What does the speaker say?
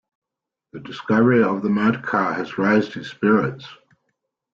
The discovery of the motorcar had raised his spirits.